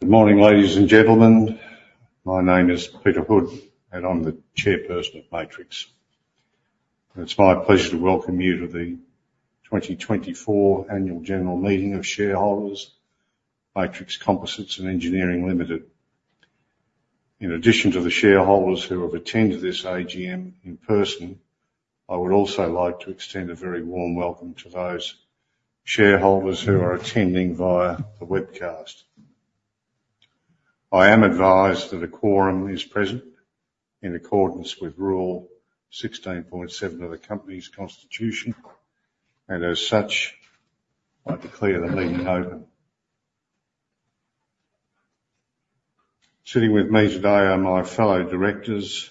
Good morning, ladies and gentlemen. My name is Peter Hood, and I am the Chairperson of Matrix. It's my pleasure to welcome you to the 2024 annual general meeting of shareholders, Matrix Composites & Engineering Limited. In addition to the shareholders who have attended this AGM in person, I would also like to extend a very warm welcome to those shareholders who are attending via the webcast. I am advised that a quorum is present in accordance with Rule 16.7 of the company's constitution, and as such, I declare the meeting open. Sitting with me today are my fellow Directors,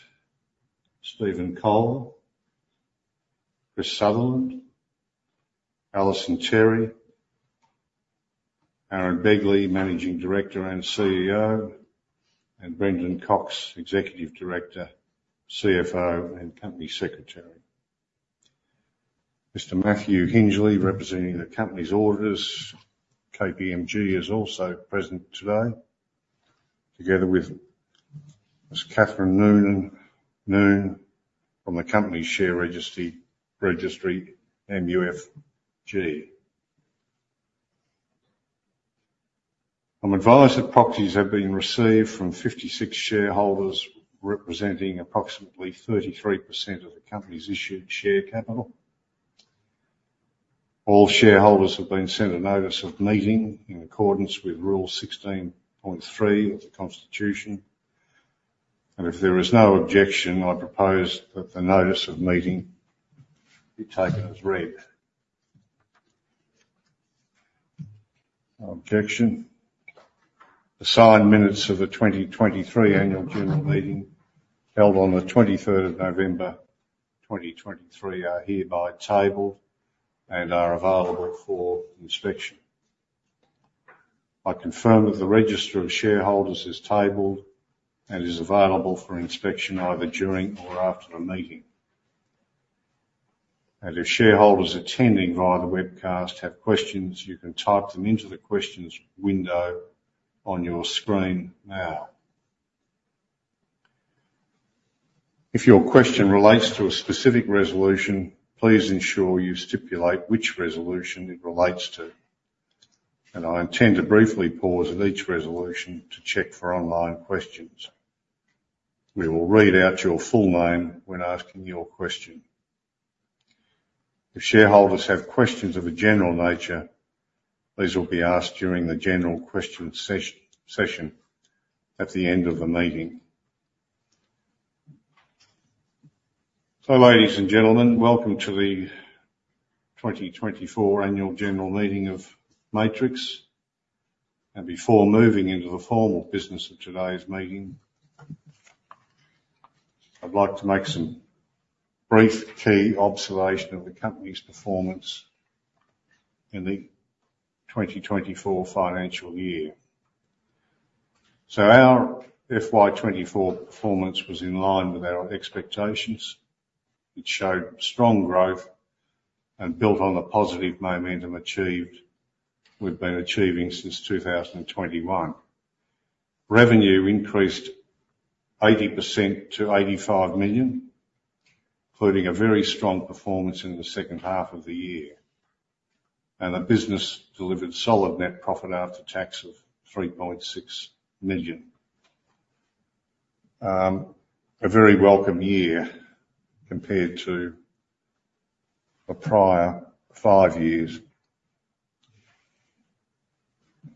Steven Cole, Chris Sutherland, Alison Terry, Aaron Begley, Managing Director and CEO, and Brendan Cocks, Executive Director, CFO, and Company Secretary. Mr. Matthew Hingeley, representing the company's auditors, KPMG, is also present today, together with Ms. Catherine Noone from the company's share registry, MUFG. I'm advised that proxies have been received from 56 shareholders, representing approximately 33% of the company's issued share capital. If there is no objection, I propose that the notice of meeting be taken as read. No objection. The signed minutes of the 2023 annual general meeting, held on the 23 of November 2023, are hereby tabled and are available for inspection. I confirm that the register of shareholders is tabled and is available for inspection either during or after the meeting. If shareholders attending via the webcast have questions, you can type them into the questions window on your screen now. If your question relates to a specific resolution, please ensure you stipulate which resolution it relates to. I intend to briefly pause at each resolution to check for online questions. We will read out your full name when asking your question. If shareholders have questions of a general nature, these will be asked during the general question session at the end of the meeting. Ladies and gentlemen, welcome to the 2024 Annual General Meeting of Matrix, before moving into the formal business of today's meeting, I'd like to make some brief key observation of the company's performance in the 2024 financial year. Our FY 2024 performance was in line with our expectations. It showed strong growth and built on the positive momentum we've been achieving since 2021. Revenue increased 80% to 85 million, including a very strong performance in the second half of the year. The business delivered solid net profit after tax of 3.6 million. A very welcome year compared to the prior five years.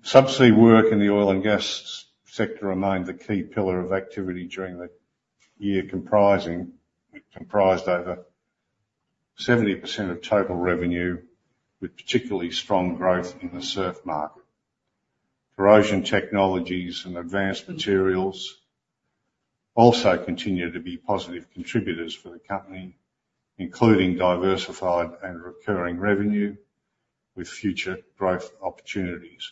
Subsea work in the oil and gas sector remained the key pillar of activity during the year, comprising, it comprised over 70% of total revenue, with particularly strong growth in the SURF market. Corrosion technologies and advanced materials also continue to be positive contributors for the company, including diversified and recurring revenue with future growth opportunities.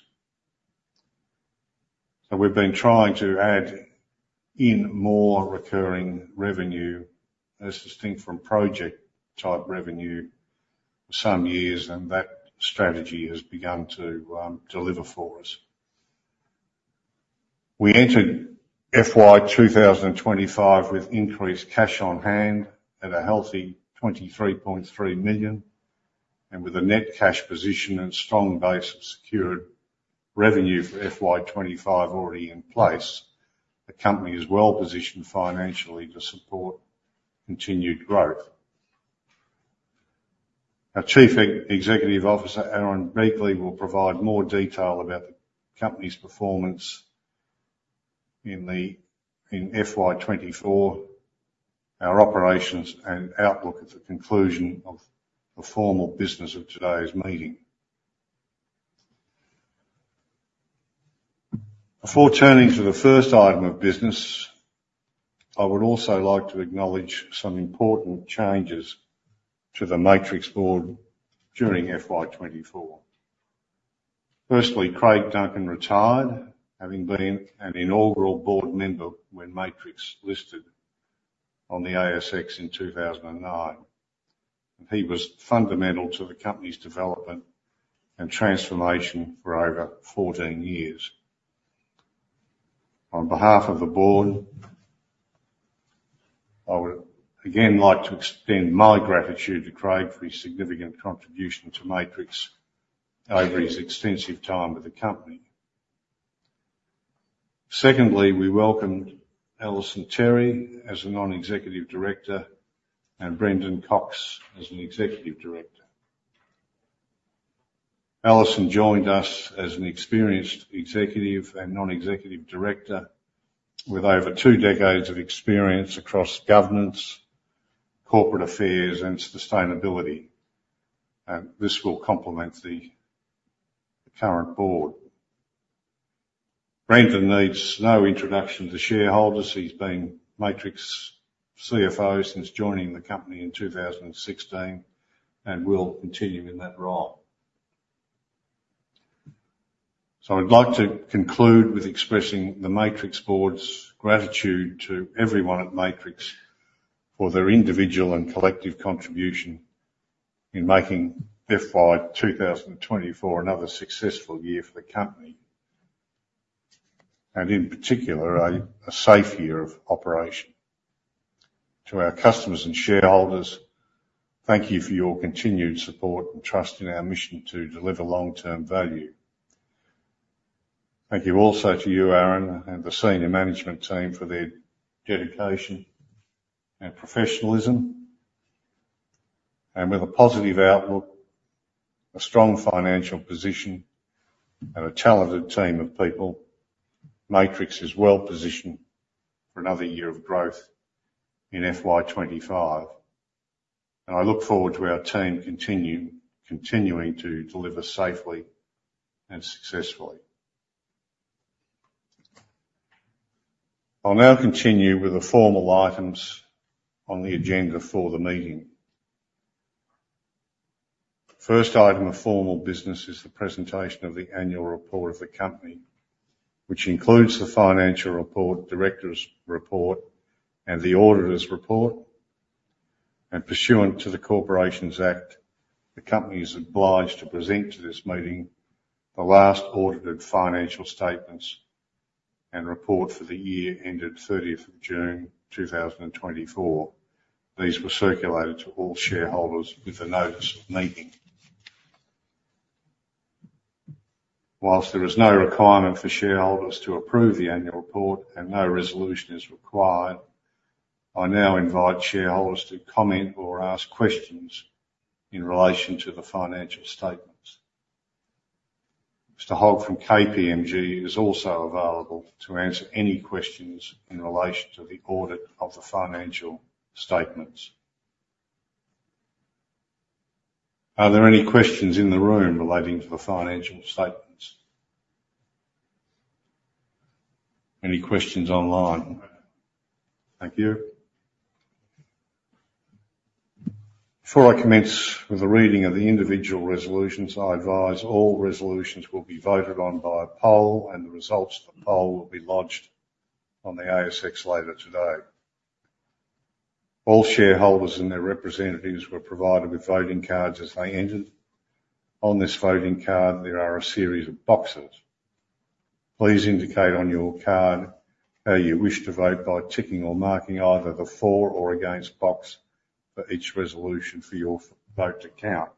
We've been trying to add in more recurring revenue as distinct from project type revenue for some years, and that strategy has begun to deliver for us. We entered FY 2025 with increased cash on hand at a healthy 23.3 million and with a net cash position and strong base of secured revenue for FY 2025 already in place. The company is well-positioned financially to support continued growth. Our Chief Executive Officer, Aaron Begley, will provide more detail about the company's performance in FY24, our operations and outlook at the conclusion of the formal business of today's meeting. Before turning to the first item of business, I would also like to acknowledge some important changes to the Matrix board during FY24. Firstly, Craig Duncan retired, having been an inaugural board member when Matrix listed on the ASX in 2009. He was fundamental to the company's development and transformation for over 14 years. On behalf of the board, I would again like to extend my gratitude to Craig for his significant contribution to Matrix over his extensive time with the company. Secondly, we welcomed Alison Terry as a non-executive director and Brendan Cocks as an executive director. Alison joined us as an experienced executive and non-executive director with over two decades of experience across governance, corporate affairs, and sustainability. This will complement the current board. Brendan needs no introduction to shareholders. He's been Matrix CFO since joining the company in 2016, and will continue in that role. I'd like to conclude with expressing the Matrix board's gratitude to everyone at Matrix for their individual and collective contribution in making FY 2024 another successful year for the company, and in particular, a safe year of operation. To our customers and shareholders, thank you for your continued support and trust in our mission to deliver long-term value. Thank you also to you, Aaron, and the senior management team for their dedication and professionalism. With a positive outlook, a strong financial position, and a talented team of people, Matrix is well-positioned for another year of growth in FY 2025. I look forward to our team continuing to deliver safely and successfully. I'll now continue with the formal items on the agenda for the meeting. First item of formal business is the presentation of the annual report of the company, which includes the financial report, director's report, and the auditor's report. Pursuant to the Corporations Act, the company is obliged to present to this meeting the last audited financial statements and report for the year ended 30 of June 2024. These were circulated to all shareholders with the notice of meeting. Whilst there is no requirement for shareholders to approve the annual report and no resolution is required, I now invite shareholders to comment or ask questions in relation to the financial statements. Mr. Hogg from KPMG is also available to answer any questions in relation to the audit of the financial statements. Are there any questions in the room relating to the financial statements? Any questions online? Thank you. Before I commence with the reading of the individual resolutions, I advise all resolutions will be voted on by a poll, and the results of the poll will be lodged on the ASX later today. All shareholders and their representatives were provided with voting cards as they entered. On this voting card, there are a series of boxes. Please indicate on your card how you wish to vote by ticking or marking either the for or against box for each resolution for your vote to count.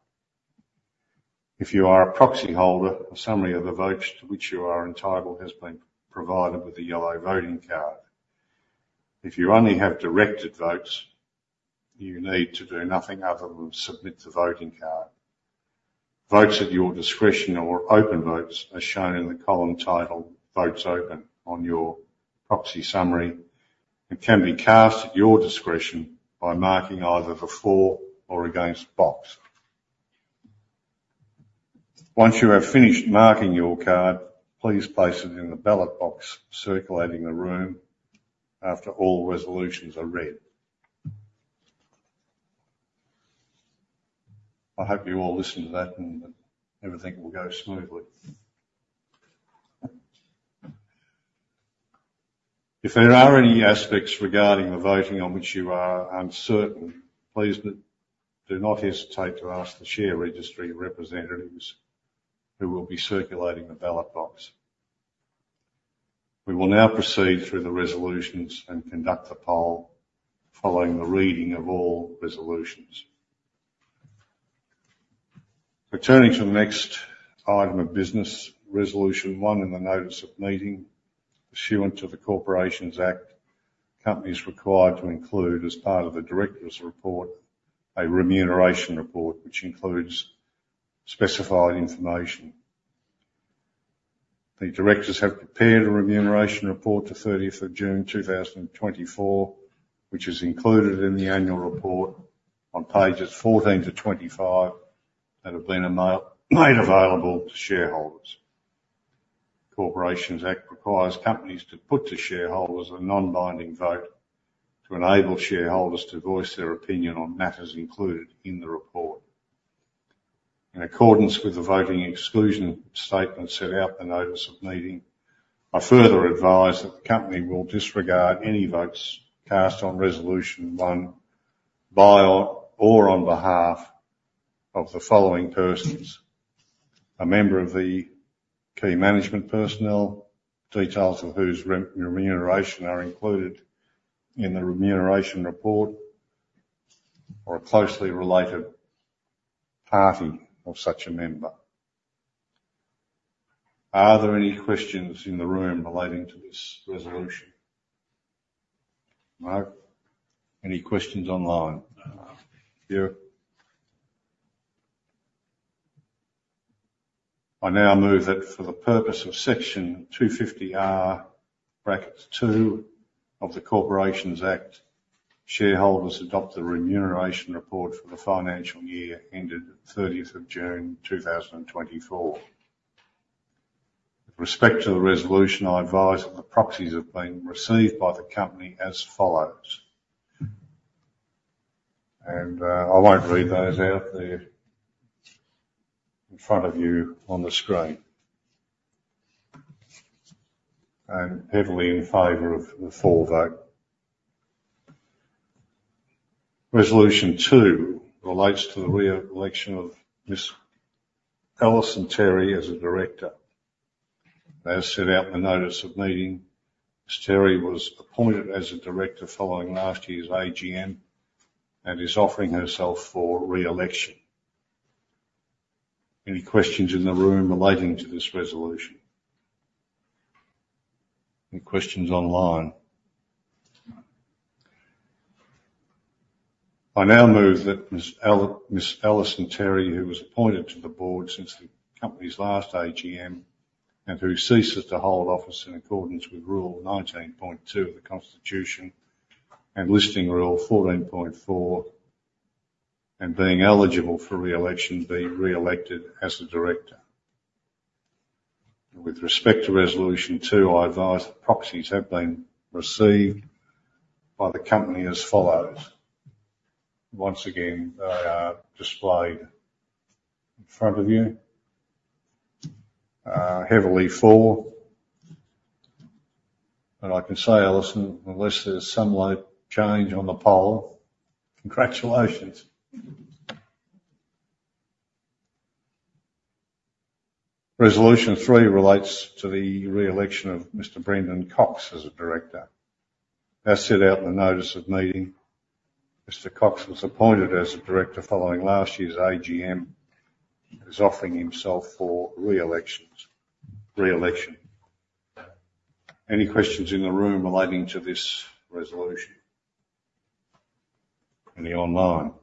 If you are a proxy holder, a summary of the votes to which you are entitled has been provided with a yellow voting card. If you only have directed votes, you need to do nothing other than submit the voting card. Votes at your discretion or open votes are shown in the column titled Votes Open on your proxy summary and can be cast at your discretion by marking either the for or against box. Once you have finished marking your card, please place it in the ballot box circulating the room after all resolutions are read. I hope you all listened to that and everything will go smoothly. If there are any aspects regarding the voting on which you are uncertain, please do not hesitate to ask the share registry representatives who will be circulating the ballot box. We will now proceed through the resolutions and conduct the poll following the reading of all resolutions. Turning to the next item of business, Resolution One in the notice of meeting, pursuant to the Corporations Act, companies required to include as part of the directors' report, a remuneration report which includes specified information. The directors have prepared a remuneration report to 30 of June 2024, which is included in the annual report on pages 14 to 25 and have been made available to shareholders. The Corporations Act requires companies to put to shareholders a non-binding vote to enable shareholders to voice their opinion on matters included in the report. In accordance with the voting exclusion statement set out in the notice of meeting, I further advise that the company will disregard any votes cast on resolution one by or on behalf of the following persons: A member of the key management personnel, details of whose remuneration are included in the remuneration report, or a closely related party of such a member. Are there any questions in the room relating to this resolution? No. Any questions online? No. Zero. I now move that for the purpose of Section 250R, brackets two, of the Corporations Act, shareholders adopt the remuneration report for the financial year ended 30 of June 2024. With respect to the resolution, I advise that the proxies have been received by the company as follows. I won't read those out. They're in front of you on the screen. Heavily in favor of the for vote. Resolution two relates to the re-election of Ms. Alison Terry as a director. As set out in the notice of meeting, Ms. Terry was appointed as a director following last year's AGM and is offering herself for re-election. Any questions in the room relating to this resolution? Any questions online? I now move that Ms. Alison Terry, who was appointed to the board since the company's last AGM, and who ceases to hold office in accordance with Rule 19.2 of the Constitution and Listing Rule 14.4, and being eligible for re-election, be re-elected as a director. With respect to resolution two, I advise that proxies have been received by the company as follows. Once again, they are displayed in front of you. Heavily for. I can say, Alison, unless there's some late change on the poll, congratulations. Resolution three relates to the re-election of Mr Brendan Cocks as a director. As set out in the notice of meeting, Mr Cocks was appointed as a director following last year's AGM, and is offering himself for re-election. Any questions in the room relating to this resolution? Any online?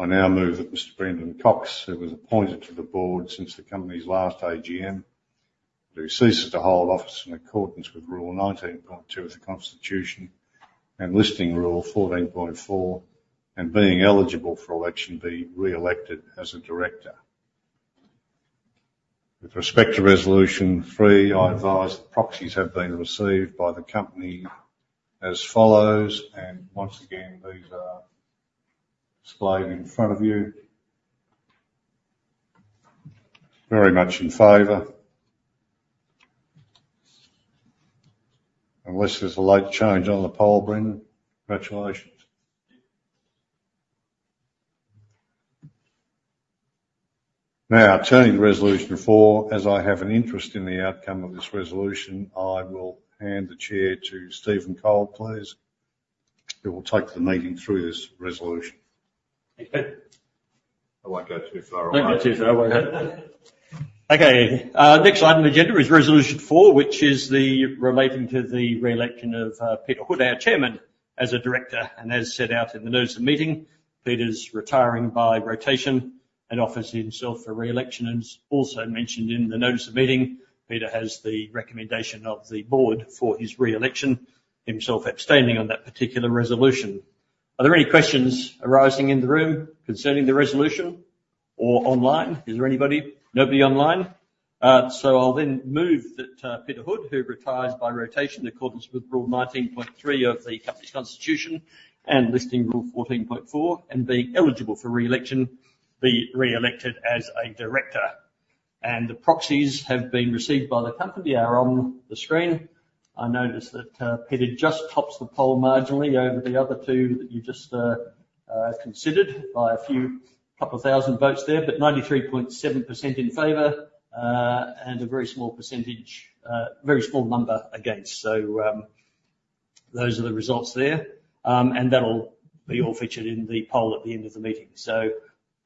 I now move that Mr. Brendan Cocks, who was appointed to the board since the company's last AGM, and who ceases to hold office in accordance with Rule 19.2 of the Constitution and ASX Listing Rule 14.4, and being eligible for election, be re-elected as a director. With respect to resolution three, I advise that proxies have been received by the company as follows. Once again, these are displayed in front of you. Very much in favor. Unless there's a late change on the poll, Brendan, congratulations. Turning to resolution four, as I have an interest in the outcome of this resolution, I will hand the chair to Steven Cole, please, who will take the meeting through this resolution. Okay. I won't go too far away. No, go too far away. Okay. Next item on the agenda is Resolution four, which is relating to the re-election of Peter Hood, our Chairman, as a director. As set out in the notice of meeting, Peter's retiring by rotation and offers himself for re-election. Also mentioned in the notice of meeting, Peter has the recommendation of the board for his re-election, himself abstaining on that particular resolution. Are there any questions arising in the room concerning the resolution or online? Is there anybody? Nobody online. I will then move that Peter Hood, who retires by rotation in accordance with Rule 19.3 of the company's constitution and Listing Rule 14.4, and being eligible for re-election, be re-elected as a director. The proxies have been received by the company, are on the screen. I notice that Peter just tops the poll marginally over the other two that you just considered by a few couple thousand votes there. 93.7% in favor, and a very small percentage, very small number against. Those are the results there. That'll be all featured in the poll at the end of the meeting.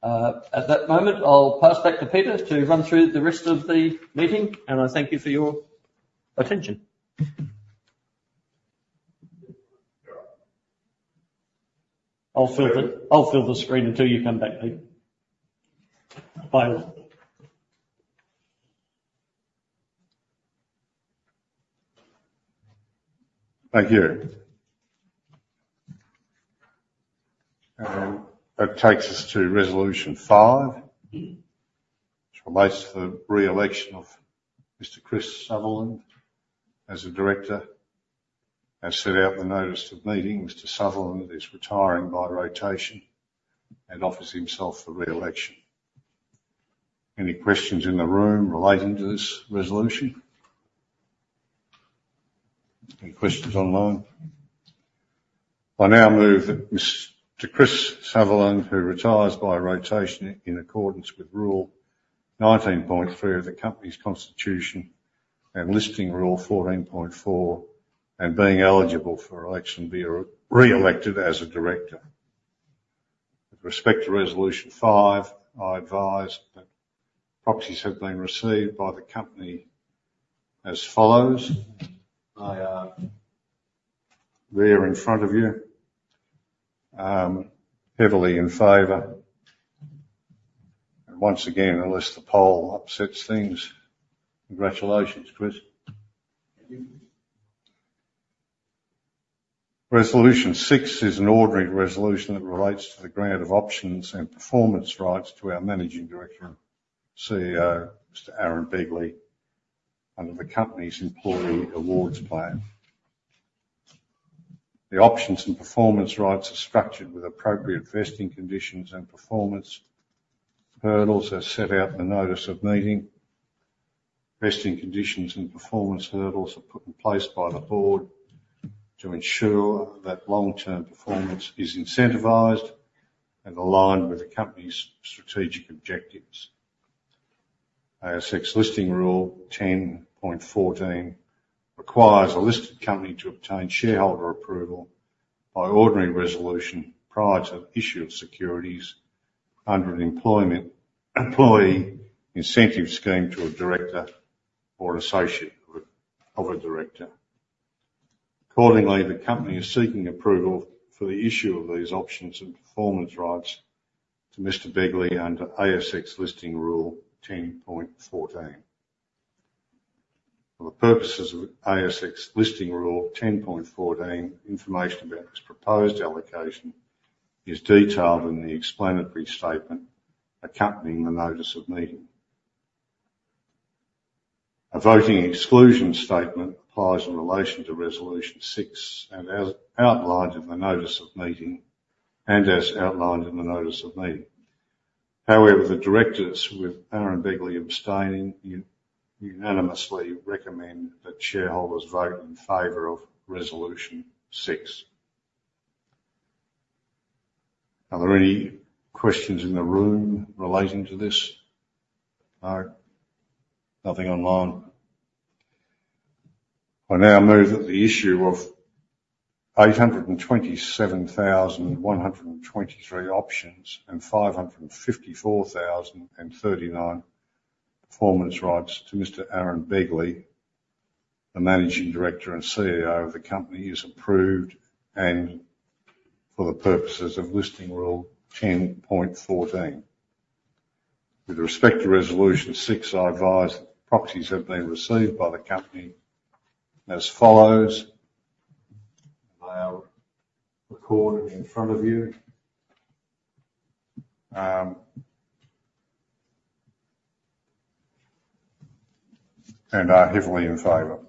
At that moment, I'll pass back to Peter to run through the rest of the meeting, and I thank you for your attention. Yeah. I will fill the screen until you come back, Peter. Bye. Thank you. That takes us to Resolution five, which relates to the re-election of Mr. Chris Sutherland as a director. As set out in the notice of meeting, Mr. Sutherland is retiring by rotation and offers himself for re-election. Any questions in the room relating to this Resolution? Any questions online? I now move to Chris Sutherland, who retires by rotation in accordance with Rule 19.3 of the company's constitution and Listing Rule 14.4, and being eligible for election, be re-elected as a director. With respect to Resolution five, I advise that proxies have been received by the company as follows. They are there in front of you, heavily in favor. Once again, unless the poll upsets things, congratulations, Chris. Thank you. Resolution Six is an ordinary resolution that relates to the grant of options and performance rights to our Managing Director, CEO, Mr Aaron Begley, under the company's employee awards plan. The options and performance rights are structured with appropriate vesting conditions and performance hurdles as set out in the notice of meeting. Vesting conditions and performance hurdles are put in place by the board to ensure that long-term performance is incentivized and aligned with the company's strategic objectives. ASX Listing Rule 10.14 requires a listed company to obtain shareholder approval by ordinary resolution prior to the issue of securities under an employee incentive scheme to a director or an associate of a director. Accordingly, the company is seeking approval for the issue of these options and performance rights to Mr Begley under ASX Listing Rule 10.14. For the purposes of ASX Listing Rule 10.14, information about this proposed allocation is detailed in the explanatory statement accompanying the notice of meeting. A voting exclusion statement applies in relation to Resolution Six and as outlined in the notice of meeting, however, the directors, with Aaron Begley abstaining, unanimously recommend that shareholders vote in favor of Resolution Six. Are there any questions in the room relating to this? No. Nothing online. I now move that the issue of 827,123 options and 554,039 performance rights to Mr. Aaron Begley, the Managing Director and CEO of the company, is approved and for the purposes of Listing Rule 10.14. With respect to Resolution Six, I advise that proxies have been received by the company as follows. They are recorded in front of you and are heavily in favor.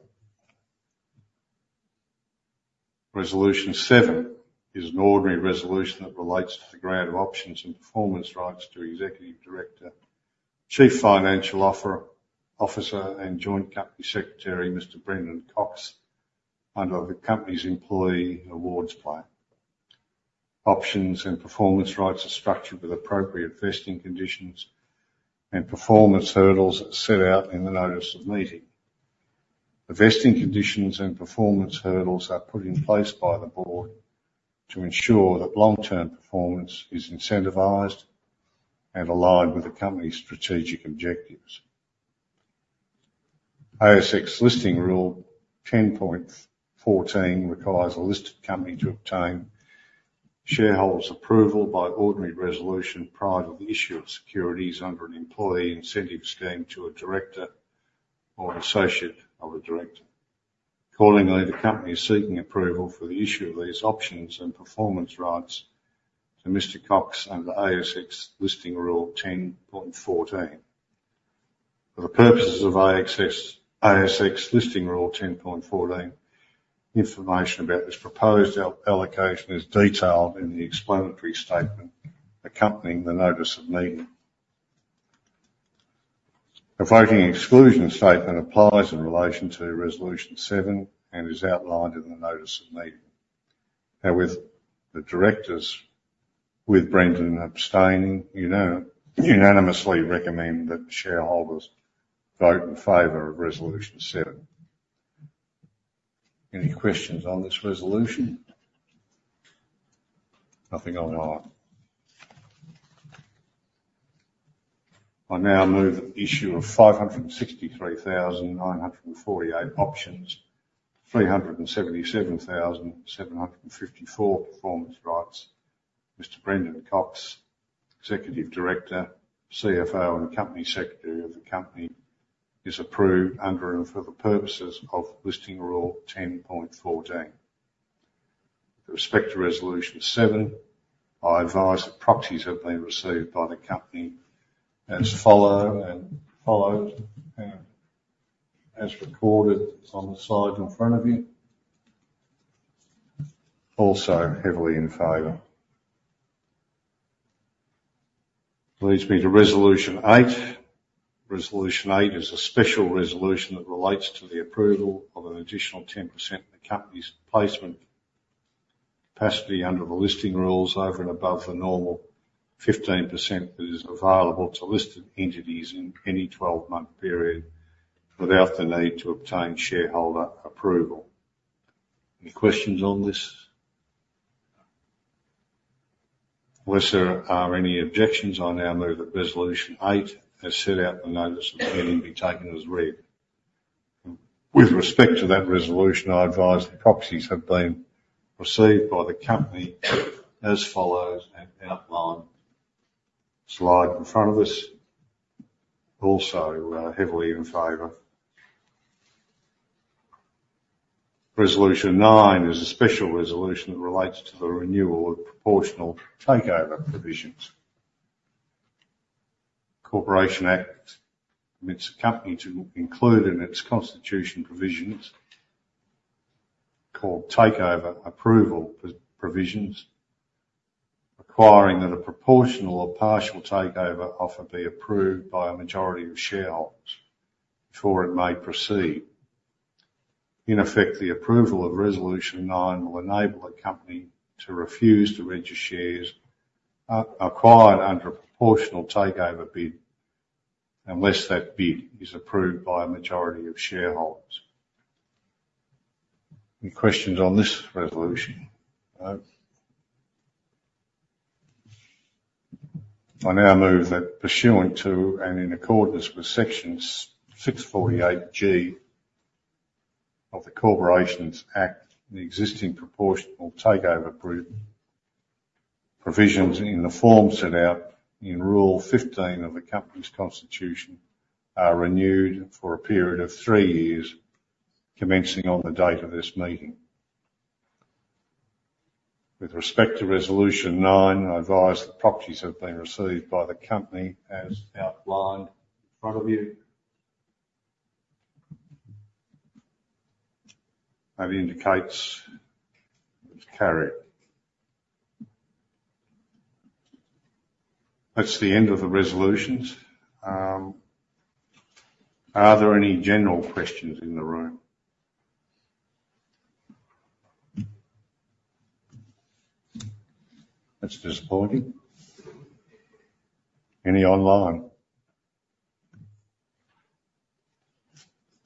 Resolution Seven is an ordinary resolution that relates to the grant of options and performance rights to Executive Director, Chief Financial Officer, and Joint Company Secretary, Mr Brendan Cocks, under the company's employee awards plan. Options and performance rights are structured with appropriate vesting conditions and performance hurdles as set out in the notice of meeting. The vesting conditions and performance hurdles are put in place by the board to ensure that long-term performance is incentivized and aligned with the company's strategic objectives. ASX Listing Rule 10.14 requires a listed company to obtain shareholders' approval by ordinary resolution prior to the issue of securities under an employee incentive scheme to a director or an associate of a director. Accordingly, the company is seeking approval for the issue of these options and performance rights to Mr Cocks under ASX Listing Rule 10.14. For the purposes of ASX Listing Rule 10.14, information about this proposed allocation is detailed in the explanatory statement accompanying the notice of meeting. A voting exclusion statement applies in relation to Resolution Seven and is outlined in the notice of meeting, and with the directors, with Brendan abstaining, unanimously recommend that shareholders vote in favor of Resolution Seven. Any questions on this resolution? Nothing online. I now move that the issue of 563,948 options, 377,754 performance rights to Mr Brendan Cocks, Executive Director, CFO, and Company Secretary of the company, is approved under and for the purposes of Listing Rule 10.14. With respect to Resolution Seven, I advise that proxies have been received by the company as follows and as recorded on the slide in front of you. Also heavily in favor. Leads me to resolution eight. Resolution eight is a special resolution that relates to the approval of an additional 10% in the company's placement capacity under the listing rules over and above the normal 15% that is available to listed entities in any 12-month period without the need to obtain shareholder approval. Any questions on this? Unless there are any objections, I now move that resolution eight, as set out in the notice of meeting, be taken as read. With respect to that resolution, I advise that proxies have been received by the company as follows and outlined in the slide in front of us. Also heavily in favor. Resolution nine is a special resolution that relates to the renewal of proportional takeover provisions. The Corporations Act commits a company to include in its constitution provisions called takeover approval provisions, requiring that a proportional or partial takeover offer be approved by a majority of shareholders before it may proceed. In effect, the approval of resolution nine will enable the company to refuse to register shares acquired under a proportional takeover bid unless that bid is approved by a majority of shareholders. Any questions on this resolution? No. I now move that pursuant to and in accordance with Section 648G of the Corporations Act, the existing proportional takeover provisions in the form set out in Rule 15 of the company's constitution are renewed for a period of three years, commencing on the date of this meeting. With respect to resolution nine, I advise that proxies have been received by the company as outlined in front of you. That indicates it's carried. That's the end of the resolutions. Are there any general questions in the room? That's disappointing. Any online?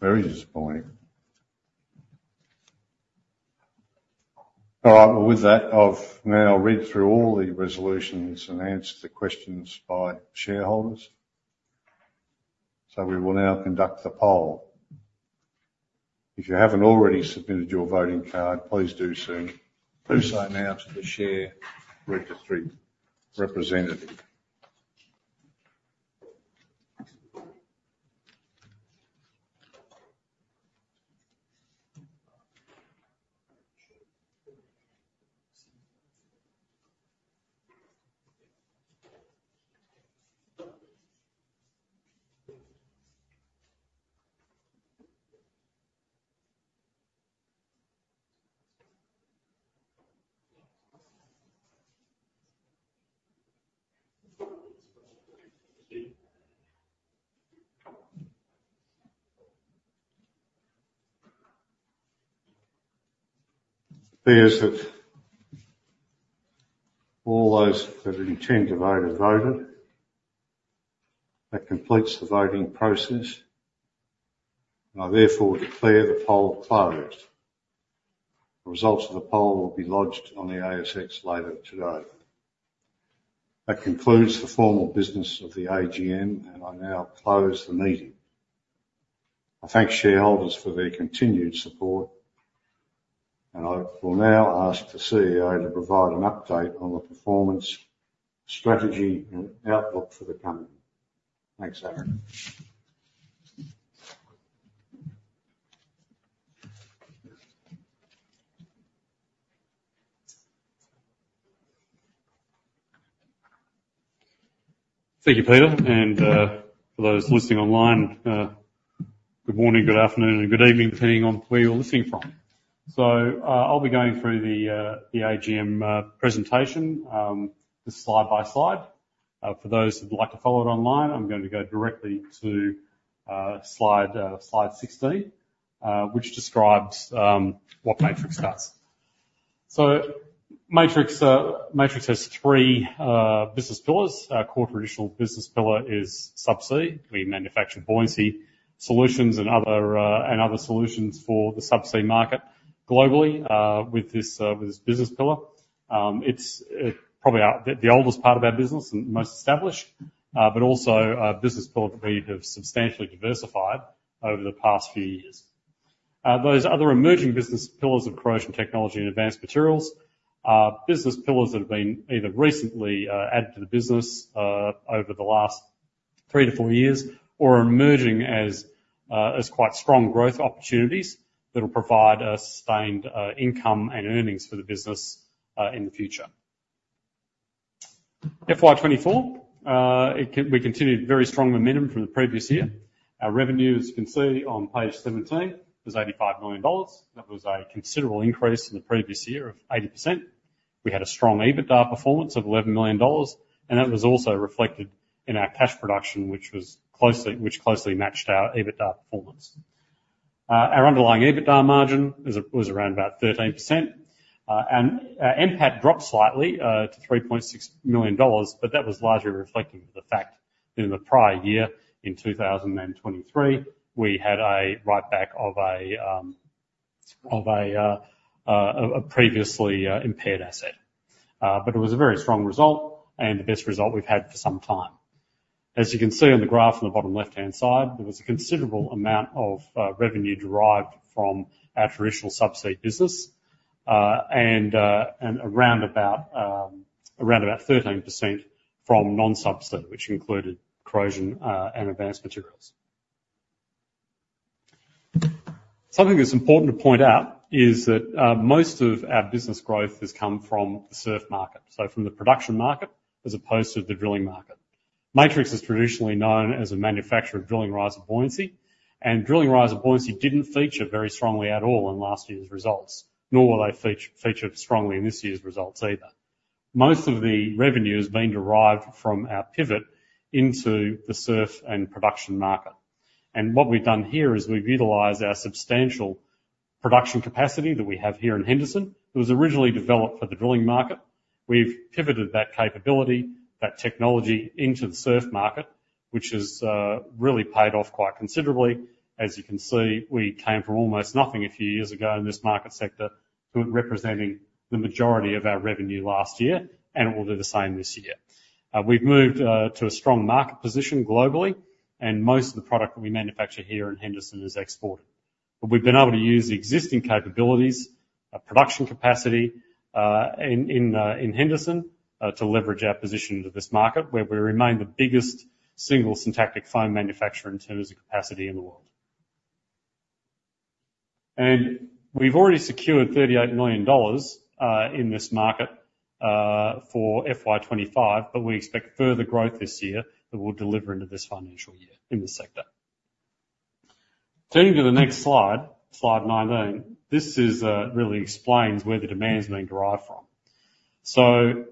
Very disappointing. All right. Well, with that, I have now read through all the resolutions and answered the questions by shareholders. We will now conduct the poll. If you haven't already submitted your voting card, please do so. Do so now to the share registry representative. It appears that all those who intend to vote have voted. That completes the voting process. I therefore declare the poll closed. The results of the poll will be lodged on the ASX later today. That concludes the formal business of the AGM, and I now close the meeting. I thank shareholders for their continued support, and I will now ask the CEO to provide an update on the performance, strategy, and outlook for the company. Thanks, Aaron. Thank you, Peter, and for those listening online, good morning, good afternoon, and good evening, depending on where you're listening from. I'll be going through the AGM presentation just slide by slide. For those who'd like to follow it online, I'm going to go directly to slide 16, which describes what Matrix does. Matrix has three business pillars. Our core traditional business pillar is subsea. We manufacture buoyancy solutions and other solutions for the subsea market globally with this business pillar. It's probably the oldest part of our business and most established, but also a business pillar that we have substantially diversified over the past few years. Those other emerging business pillars of corrosion technology and advanced materials are business pillars that have been either recently added to the business over the last three to four years or emerging as quite strong growth opportunities that will provide a sustained income and earnings for the business in the future. FY 2024, we continued very strong momentum from the previous year. Our revenue, as you can see on page 17, was 85 million dollars. That was a considerable increase from the previous year of 80%. We had a strong EBITDA performance of 11 million dollars, and that was also reflected in our cash production, which closely matched our EBITDA performance. Our underlying EBITDA margin was around about 13%, and NPAT dropped slightly to 3.6 million dollars, but that was largely reflecting the fact that in the prior year, in 2023, we had a write-back of a previously impaired asset. It was a very strong result and the best result we've had for some time. As you can see on the graph in the bottom left-hand side, there was a considerable amount of revenue derived from our traditional subsea business, and around about 13% from non-subsea, which included corrosion and advanced materials. Something that's important to point out is that most of our business growth has come from the SURF market, so from the production market as opposed to the drilling market. Matrix is traditionally known as a manufacturer of drilling riser buoyancy, and drilling riser buoyancy didn't feature very strongly at all in last year's results, nor will they feature strongly in this year's results either. Most of the revenue has been derived from our pivot into the SURF and production market. What we've done here is we've utilized our substantial production capacity that we have here in Henderson, that was originally developed for the drilling market. We've pivoted that capability, that technology, into the SURF market, which has really paid off quite considerably. As you can see, we came from almost nothing a few years ago in this market sector to it representing the majority of our revenue last year, and it will do the same this year. We've moved to a strong market position globally, and most of the product that we manufacture here in Henderson is exported. We've been able to use the existing capabilities, production capacity in Henderson to leverage our position into this market, where we remain the biggest single syntactic foam manufacturer in terms of capacity in the world. We've already secured 38 million dollars in this market for FY25, we expect further growth this year that we'll deliver into this financial year in this sector. Turning to the next slide 19, this really explains where the demand is being derived from.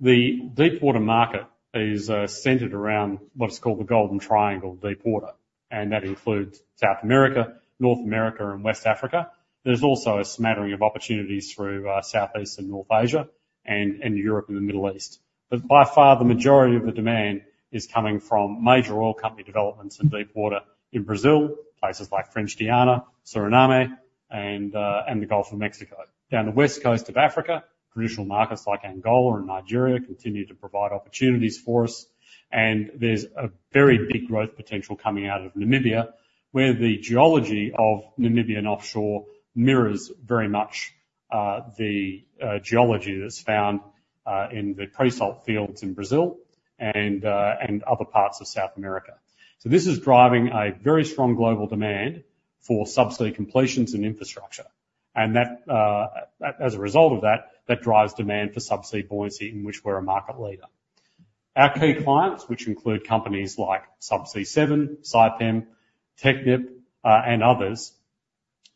The deepwater market is centered around what is called the Golden Triangle deepwater, and that includes South America, North America, and West Africa. There's also a smattering of opportunities through Southeast and North Asia and Europe and the Middle East. By far, the majority of the demand is coming from major oil company developments in deepwater in Brazil, places like French Guiana, Suriname, and the Gulf of Mexico. Down the west coast of Africa, traditional markets like Angola and Nigeria continue to provide opportunities for us. There's a very big growth potential coming out of Namibia, where the geology of Namibian offshore mirrors very much the geology that's found in the pre-salt fields in Brazil and other parts of South America. This is driving a very strong global demand for subsea completions and infrastructure. As a result of that drives demand for subsea buoyancy, in which we're a market leader. Our key clients, which include companies like Subsea 7, Saipem, Technip, and others,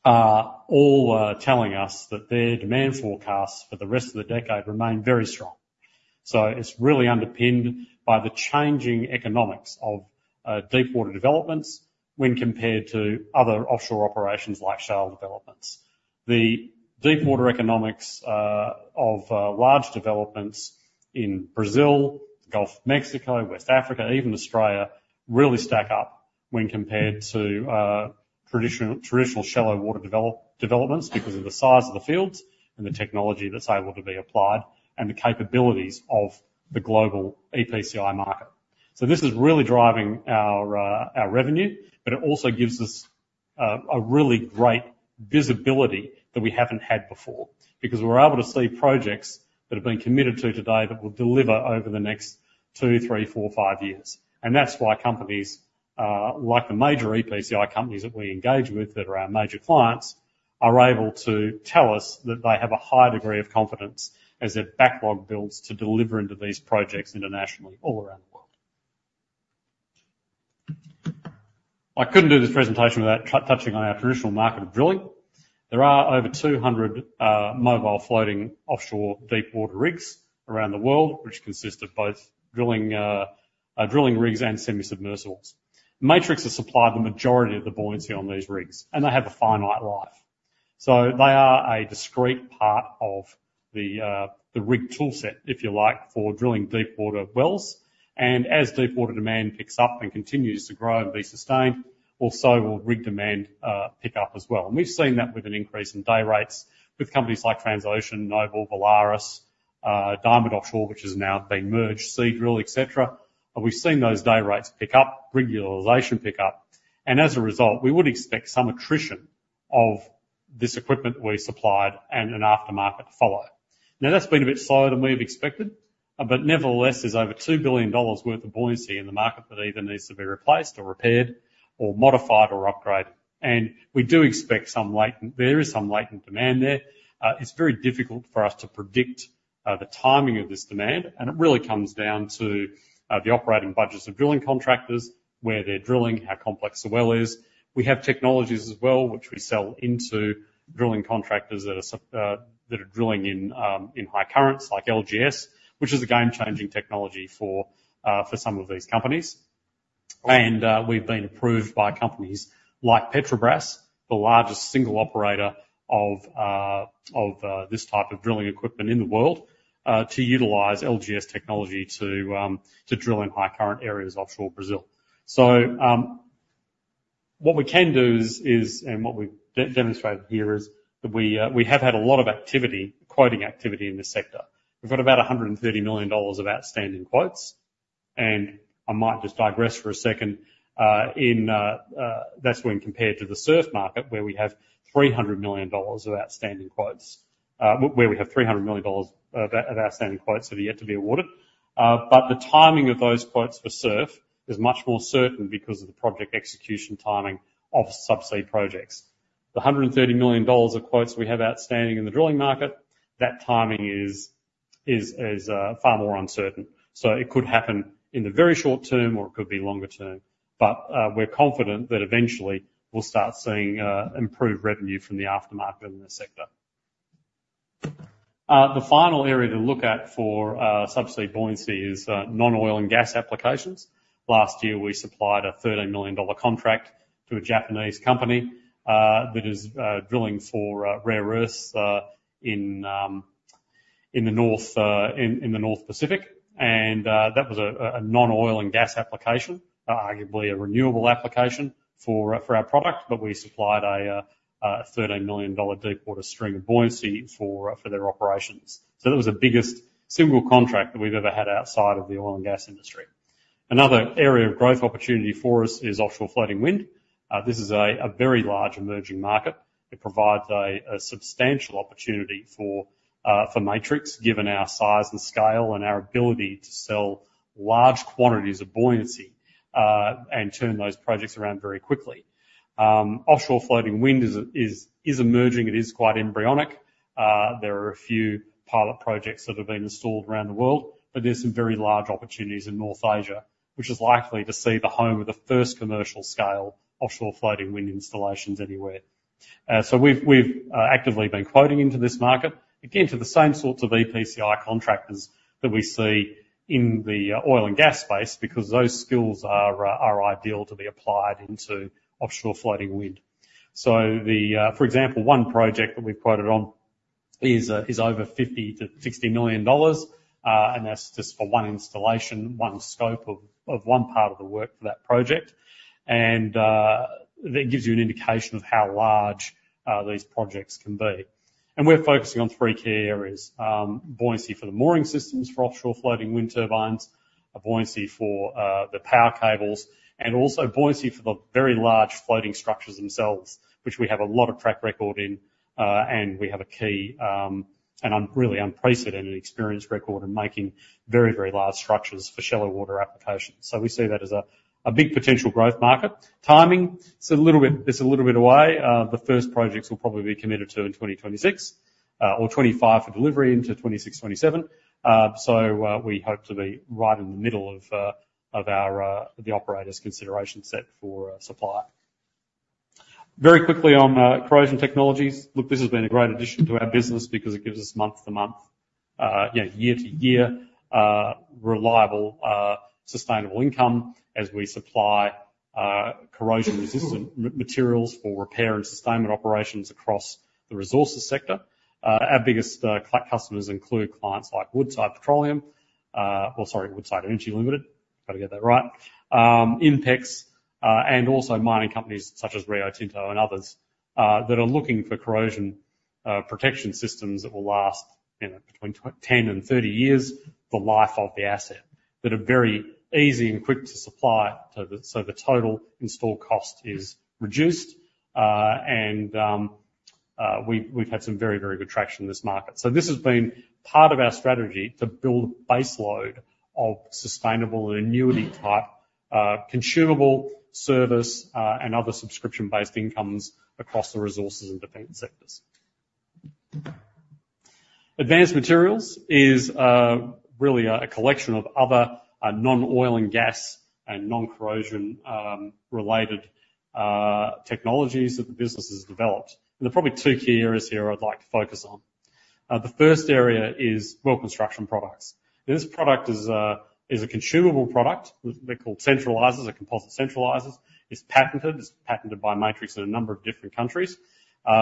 are all telling us that their demand forecasts for the rest of the decade remain very strong. It's really underpinned by the changing economics of deepwater developments when compared to other offshore operations like shale developments. The deepwater economics of large developments in Brazil, Gulf of Mexico, West Africa, even Australia, really stack up when compared to traditional shallow water developments because of the size of the fields and the technology that's able to be applied and the capabilities of the global EPCI market. This is really driving our revenue, but it also gives us a really great visibility that we haven't had before because we're able to see projects that have been committed to today that will deliver over the next two, three, four, five years. That's why companies like the major EPCI companies that we engage with that are our major clients are able to tell us that they have a high degree of confidence as their backlog builds to deliver into these projects internationally all around the world. I couldn't do this presentation without touching on our traditional market of drilling. There are over 200 mobile floating offshore deepwater rigs around the world, which consist of both drilling rigs and semi-submersibles. Matrix has supplied the majority of the buoyancy on these rigs, and they have a finite life. They are a discrete part of the rig toolset, if you like, for drilling deepwater wells. As deepwater demand picks up and continues to grow and be sustained, also will rig demand pick up as well. We've seen that with an increase in day rates with companies like Transocean, Noble, Valaris, Diamond Offshore, which has now been merged, Seadrill, et cetera. We've seen those day rates pick up, rig utilization pick up. As a result, we would expect some attrition of this equipment we supplied and an aftermarket follow. That's been a bit slower than we've expected, but nevertheless, there's over 2 billion dollars worth of buoyancy in the market that either needs to be replaced or repaired or modified or upgraded. There is some latent demand there. It's very difficult for us to predict the timing of this demand, and it really comes down to the operating budgets of drilling contractors, where they're drilling, how complex the well is. We have technologies as well, which we sell into drilling contractors that are drilling in high currents, like LGS, which is a game-changing technology for some of these companies. We've been approved by companies like Petrobras, the largest single operator of this type of drilling equipment in the world, to utilize LGS technology to drill in high current areas offshore Brazil. What we can do is, and what we've demonstrated here is that we have had a lot of quoting activity in this sector. We've got about 130 million dollars of outstanding quotes, and I might just digress for a second. That's when compared to the SURF market, where we have 300 million dollars of outstanding quotes that are yet to be awarded. The timing of those quotes for SURF is much more certain because of the project execution timing of subsea projects. The 130 million dollars of quotes we have outstanding in the drilling market, that timing is far more uncertain. It could happen in the very short term, or it could be longer term. We're confident that eventually we'll start seeing improved revenue from the aftermarket in this sector. The final area to look at for subsea buoyancy is non-oil and gas applications. Last year, we supplied a 13 million dollar contract to a Japanese company that is drilling for rare earths in the North Pacific, and that was a non-oil and gas application, arguably a renewable application for our product, but we supplied a 13 million dollar deepwater string of buoyancy for their operations. That was the biggest single contract that we've ever had outside of the oil and gas industry. Another area of growth opportunity for us is offshore floating wind. This is a very large emerging market. It provides a substantial opportunity for Matrix, given our size and scale and our ability to sell large quantities of buoyancy, and turn those projects around very quickly. Offshore floating wind is emerging. It is quite embryonic. There are a few pilot projects that have been installed around the world, but there's some very large opportunities in North Asia, which is likely to see the home of the first commercial scale offshore floating wind installations anywhere. We've actively been quoting into this market, again, to the same sorts of EPCI contractors that we see in the oil and gas space because those skills are ideal to be applied into offshore floating wind. For example, one project that we've quoted on is over 50 million to 60 million dollars, and that's just for one installation, one scope of one part of the work for that project. That gives you an indication of how large these projects can be. We're focusing on three key areas: buoyancy for the mooring systems for offshore floating wind turbines, buoyancy for the power cables, and also buoyancy for the very large floating structures themselves, which we have a lot of track record in, and we have a key and really unprecedented experience record in making very large structures for shallow water applications. We see that as a big potential growth market. Timing, it's a little bit away. The first projects will probably be committed to in 2026, or 2025 for delivery into 2026, 2027. We hope to be right in the middle of the operator's consideration set for supply. Very quickly on corrosion technologies. Look, this has been a great addition to our business because it gives us month to month, year to year, reliable, sustainable income as we supply corrosion-resistant materials for repair and sustainment operations across the resources sector. Our biggest customers include clients like Woodside Petroleum, Woodside Energy Limited, got to get that right. INPEX, and also mining companies such as Rio Tinto and others, that are looking for corrosion protection systems that will last between 10 and 30 years, the life of the asset, that are very easy and quick to supply, so the total install cost is reduced. We've had some very good traction in this market. This has been part of our strategy to build a base load of sustainable and annuity type consumable service and other subscription-based incomes across the resources and defense sectors. Advanced materials is really a collection of other non-oil and gas and non-corrosion-related technologies that the business has developed, and there are probably two key areas here I'd like to focus on. The first area is well construction products. This product is a consumable product. They're called centralizers or composite centralizers. It's patented. It's patented by Matrix in a number of different countries.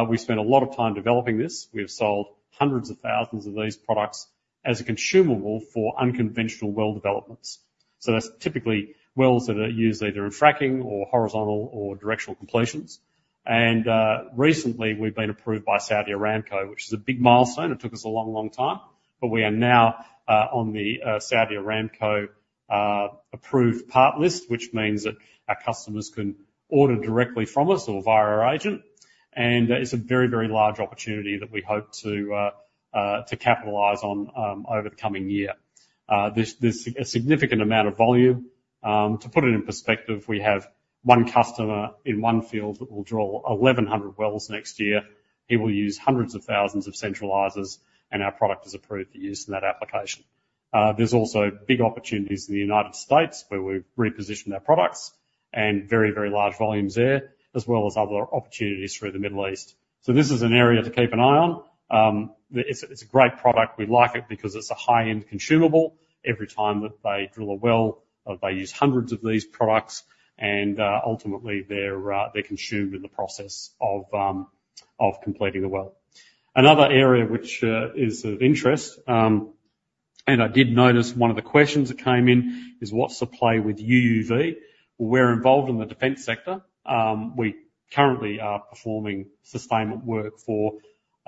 We spent a lot of time developing this. We have sold hundreds of thousands of these products as a consumable for unconventional well developments. That's typically wells that are used either in fracking or horizontal or directional completions. Recently, we've been approved by Saudi Aramco, which is a big milestone. It took us a long, long time, but we are now on the Saudi Aramco approved part list, which means that our customers can order directly from us or via our agent. It's a very large opportunity that we hope to capitalize on over the coming year. There's a significant amount of volume. To put it in perspective, we have one customer in one field that will draw 1,100 wells next year. He will use hundreds of thousands of centralizers, and our product is approved for use in that application. There's also big opportunities in the United States where we've repositioned our products and very large volumes there, as well as other opportunities through the Middle East. This is an area to keep an eye on. It's a great product. We like it because it's a high-end consumable. Every time that they drill a well, they use hundreds of these products, and ultimately, they're consumed in the process of completing the well. Another area which is of interest, and I did notice one of the questions that came in is what's the play with UUV? We're involved in the defense sector. We currently are performing sustainment work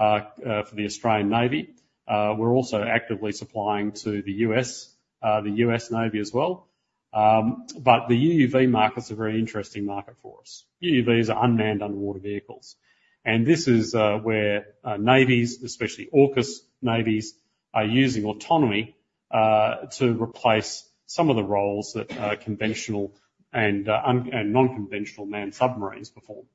for the Australian Navy. We're also actively supplying to the US Navy as well. The UUV market is a very interesting market for us. UUVs are unmanned underwater vehicles, and this is where navies, especially AUKUS navies, are using autonomy to replace some of the roles that conventional and non-conventional manned submarines perform.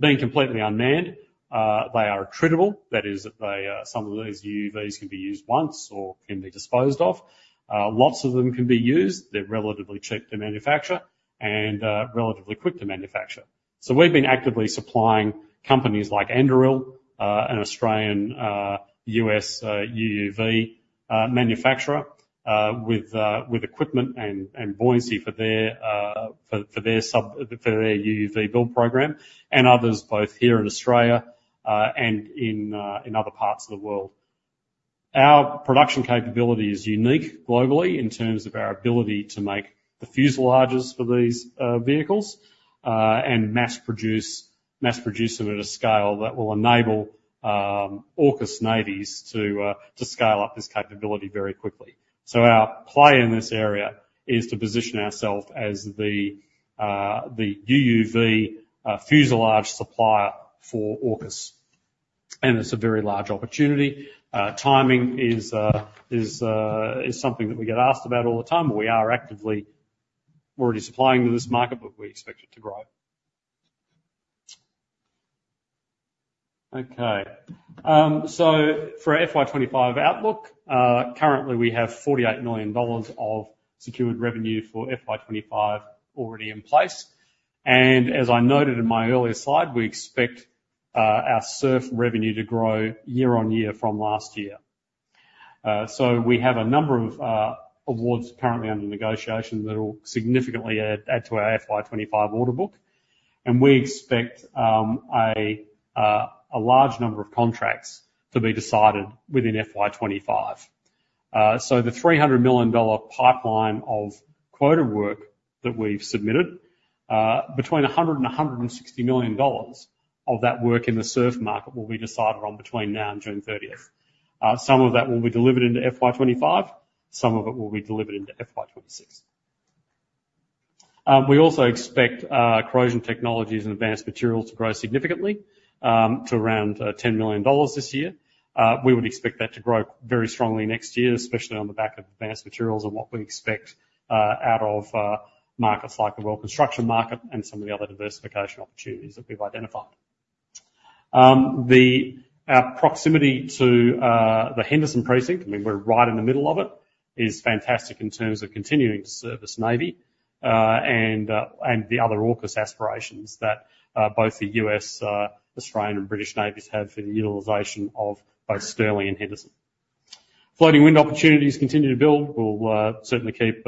Being completely unmanned, they are attritable. That is, some of these UUVs can be used once or can be disposed of. Lots of them can be used. They're relatively cheap to manufacture and relatively quick to manufacture. We've been actively supplying companies like Anduril, an Australian, U.S. UUV manufacturer, with equipment and buoyancy for their UUV build program, and others, both here in Australia and in other parts of the world. Our production capability is unique globally in terms of our ability to make the fuselages for these vehicles, and mass produce them at a scale that will enable AUKUS navies to scale up this capability very quickly. Our play in this area is to position ourselves as the UUV fuselage supplier for AUKUS, and it's a very large opportunity. Timing is something that we get asked about all the time, but we are actively already supplying to this market, but we expect it to grow. Okay. For our FY 2025 outlook, currently we have 48 million dollars of secured revenue for FY 2025 already in place. As I noted in my earlier slide, we expect our SURF revenue to grow year on year from last year. We have a number of awards currently under negotiation that will significantly add to our FY 2025 order book, and we expect a large number of contracts to be decided within FY 2025. The 300 million dollar pipeline of quoted work that we've submitted, between 100 million and 160 million dollars of that work in the SURF market will be decided on between now and June 30. Some of that will be delivered into FY 2025. Some of it will be delivered into FY 2026. We also expect Corrosion Technologies and Advanced Materials to grow significantly to around 10 million dollars this year. We would expect that to grow very strongly next year, especially on the back of advanced materials and what we expect out of markets like the well construction market and some of the other diversification opportunities that we've identified. Our proximity to the Henderson precinct, we're right in the middle of it, is fantastic in terms of continuing to service Navy, and the other AUKUS aspirations that both the U.S., Australian, and British navies have for the utilization of both Stirling and Henderson. Floating wind opportunities continue to build. We'll certainly keep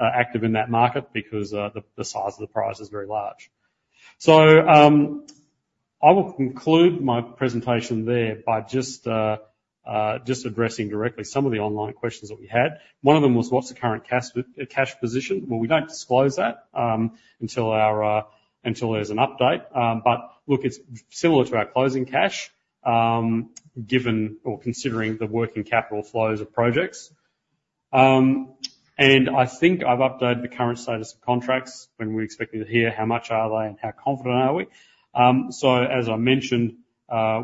active in that market because the size of the prize is very large. I will conclude my presentation there by just addressing directly some of the online questions that we had. One of them was, what's the current cash position? Well, we don't disclose that until there's an update. Look, it's similar to our closing cash, considering the working capital flows of projects. I think I've updated the current status of contracts. When we're expecting to hear how much are they and how confident are we? As I mentioned,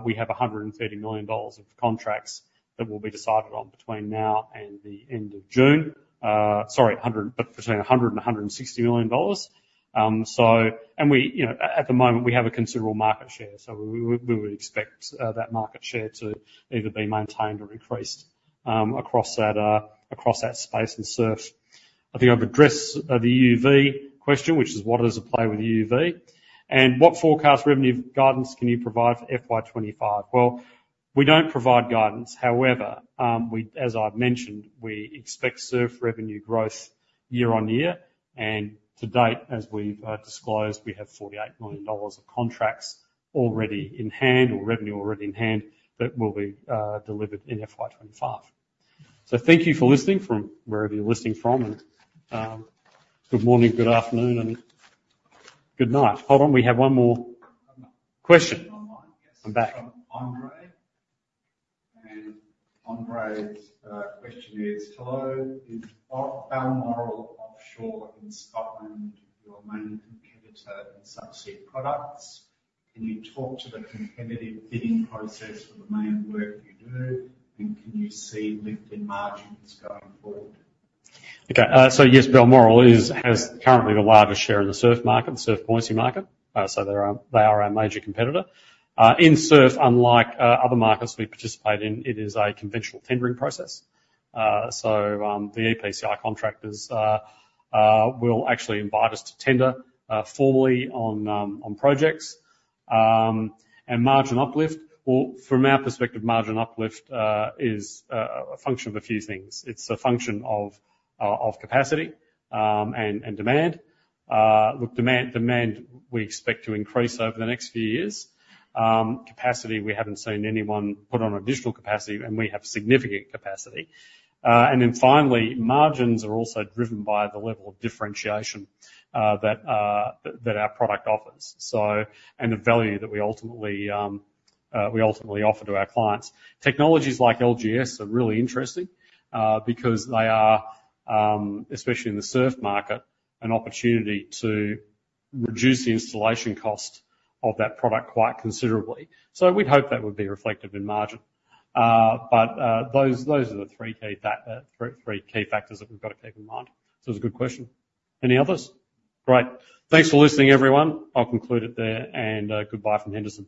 we have 130 million dollars of contracts that will be decided on between now and the end of June. Sorry, between 100 million-160 million dollars. At the moment, we have a considerable market share. We would expect that market share to either be maintained or increased across that space in SURF. I think I've addressed the UUV question, which is what is the play with UUV? What forecast revenue guidance can you provide for FY 2025? Well, we don't provide guidance. However, as I've mentioned, we expect SURF revenue growth year-on-year. To date, as we've disclosed, we have 48 million dollars of contracts already in hand or revenue already in hand that will be delivered in FY25. Thank you for listening from wherever you're listening from, and good morning, good afternoon, and good night. Hold on, we have one more question. Online, yes. I'm back. From Andre. Andre's question is: "Hello. Is Balmoral Offshore in Scotland your main competitor in subsea products? Can you talk to the competitive bidding process for the main work you do, and can you see lifted margins going forward? Okay. Yes, Balmoral has currently the largest share in the SURF market, the SURF buoyancy market. They are our major competitor. In SURF, unlike other markets we participate in, it is a conventional tendering process. The EPCI contractors will actually invite us to tender formally on projects. Margin uplift, well, from our perspective, margin uplift is a function of a few things. It's a function of capacity and demand. Look, demand we expect to increase over the next few years. Capacity, we haven't seen anyone put on additional capacity, and we have significant capacity. Then finally, margins are also driven by the level of differentiation that our product offers and the value that we ultimately offer to our clients. Technologies like LGS are really interesting, because they are, especially in the SURF market, an opportunity to reduce the installation cost of that product quite considerably. We'd hope that would be reflected in margin. Those are the three key factors that we've got to keep in mind. It's a good question. Any others? Great. Thanks for listening, everyone. I'll conclude it there and goodbye from Henderson.